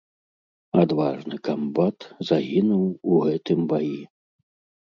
Адважны камбат загінуў у гэтым баі.